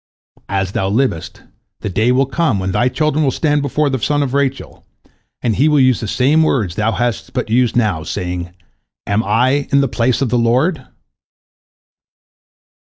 As thou livest, the day will come when thy children will stand before the son of Rachel, and he will use the same words thou hast but now used, saying, 'Am I in the place of the Lord?'"